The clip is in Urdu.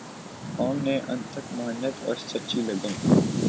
قوم نے انتھک محنت اور سچی لگن